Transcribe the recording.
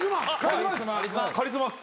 カリスマっす。